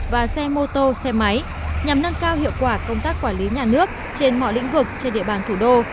và xe mô tô xe máy nhằm nâng cao hiệu quả công tác quản lý nhà nước trên mọi lĩnh vực trên địa bàn thủ đô